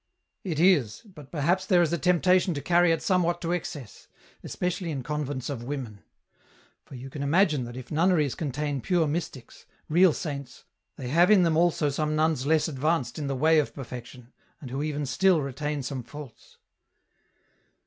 " It is, but perhaps there is a temptation to carry it somewhat to excess, especially in convents of women ; for you can imagine that if nunneries contain pure mystics, real saints, they have in them also some nuns less advanced in the way of perfection, and who even still retain some faults